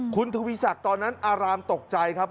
คุณทวีศักดิ์ตอนนั้นอารามตกใจครับ